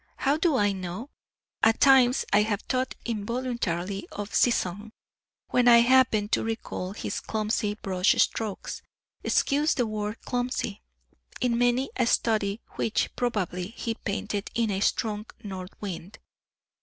How do I know? At times I have thought involuntarily of Cézanne, when I happened to recall his clumsy brush strokes (excuse the word "clumsy") in many a study which, probably, he painted in a strong north wind.